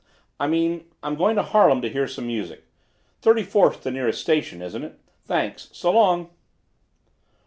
I mean I'm going to Harlem to hear some music. Thirty fourth's the nearest station, isn't it? Thanks. So long."